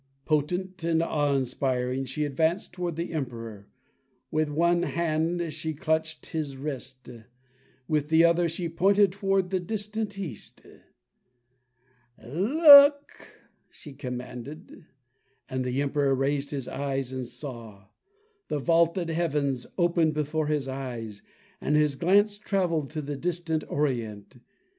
Potent and awe inspiring, she advanced toward the Emperor. With one hand she clutched his wrist, with the other she pointed toward the distant East. "Look!" she commanded, and the Emperor raised his eyes and saw. The vaulted heavens opened before his eyes, and his glance traveled to the distant Orient.